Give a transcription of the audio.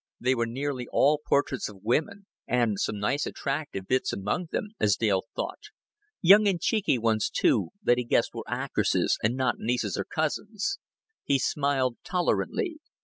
They were nearly all portraits of women and some nice attractive bits among them, as Dale thought; young and cheeky ones, too, that he guessed were actresses and not nieces or cousins. He smiled tolerantly.